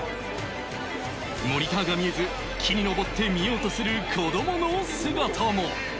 モニターが見えず、木に登ってみようとする子どもの姿も。